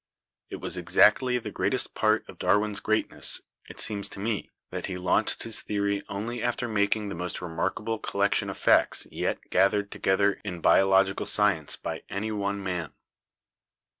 "It was exactly the greatest part of Darwin's great ness, it seems to me, that he launched his theory only after making the most remarkable collection of facts yet gathered together in biological science by any one man.